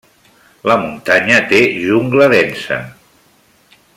La muntanya té jungla densa.